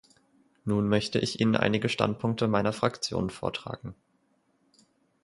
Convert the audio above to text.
Nun möchte ich Ihnen einige Standpunkte meiner Fraktion vortragen.